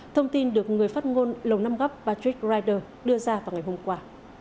thông tin được người phát ngôn lầu năm góc patrick ryder đưa ra vào ngày hôm qua